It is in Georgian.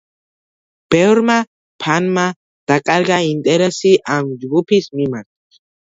ბევრმა ფანმა დაკარგა ინტერესი ამ ჯგუფის მიმართ.